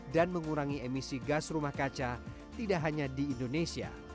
dan mengurangi emisi gas rumah kaca tidak hanya di indonesia